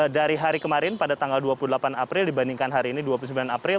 dari hari kemarin pada tanggal dua puluh delapan april dibandingkan hari ini dua puluh sembilan april